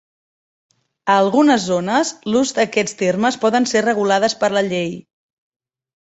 A algunes zones l'ús d'aquests termes poden ser regulades per la llei.